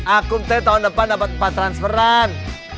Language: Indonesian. akum t tahun depan dapat empat transferan